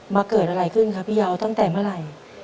มาเกิดอะไรขึ้นครับพี่ยาวตั้งแต่เมื่อไหร่